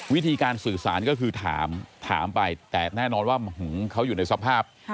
วิธีการสื่อสารก็คือถามถามไปแต่แน่นอนว่าเขาอยู่ในสภาพ